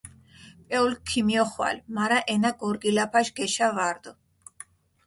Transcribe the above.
პეულქ ქომიოხვალჷ, მარა ენა გორგილაფაშ გეშა ვარდჷ.